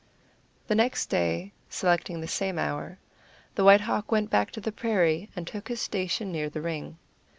The next day, selecting the same hour, the White Hawk went back to the prairie, and took his station near the ring.